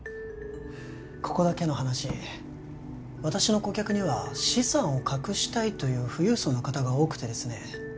ここだけの話私の顧客には資産を隠したいという富裕層の方が多くてですね